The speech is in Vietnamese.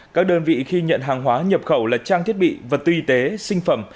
các đơn vị khi nhận hàng hóa nhập khẩu là trang thiết bị vật tư y tế sinh phẩm